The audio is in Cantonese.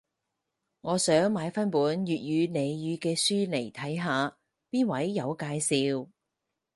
我想買返本粵語俚語嘅書嚟睇下，邊位有介紹